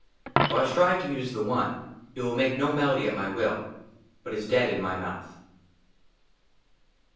THOUGH I STRIVE TO USE THE ONE, IT WILL MAKE NO MELODY AT MY WILL, BUT IS DEAD IN MY MOUTH.